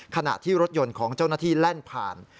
ขณะที่รถยนต์ของเจ้าหน้าที่แล่นผ่าน